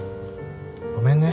ごめんね。